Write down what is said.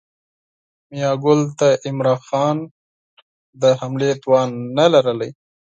میاګل د عمرا خان د حملې توان نه درلود.